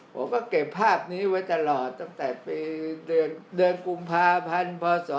ผมก็เก็บภาพนี้ไว้ตลอดตั้งแต่ปีเดือนกุมภาพันธ์พศ๒๕